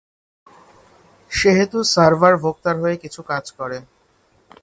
সেহেতু সার্ভার ভোক্তার হয়ে কিছু কাজ করে।